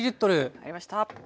入りました。